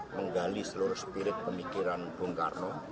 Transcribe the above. menggali seluruh spirit pemikiran bung karno